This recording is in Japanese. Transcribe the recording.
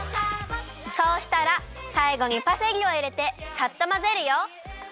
そうしたらさいごにパセリをいれてさっとまぜるよ。